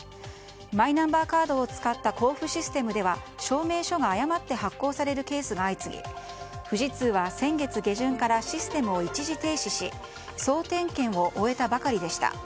マイナンバーカードを使った交付システムでは証明書が誤って発行されるケースが相次ぎ富士通は、先月下旬からシステムを一時停止し総点検を終えたばかりでした。